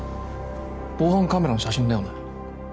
防犯カメラの写真だよね？